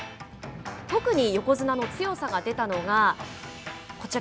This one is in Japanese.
特に横綱の強さが出たのがこちら。